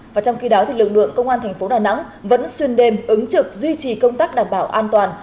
và trong khi đó lực lượng công an thành phố đà nẵng vẫn xuyên đêm ứng trực duy trì công tác đảm bảo an toàn